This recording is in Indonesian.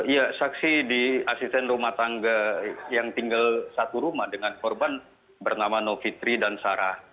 ya saksi di asisten rumah tangga yang tinggal satu rumah dengan korban bernama novitri dan sarah